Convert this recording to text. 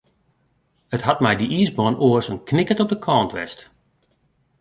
It hat mei dy iisbaan oars in knikkert op de kant west.